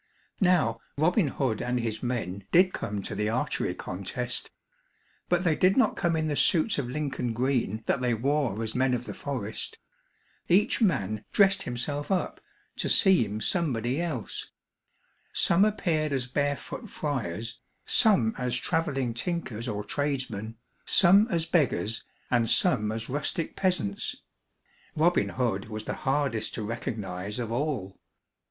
Now Robin Hood and his men did come to the archery contest. But they did not come in the suits of Lincoln green that they wore as men of the forest. Each man dressed himself up to seem somebody else. Some appeared as barefoot friars, some as traveling tinkers or tradesmen, some as beggars, and some as rustic peasants. Robin Hood was the hardest to recognize of all.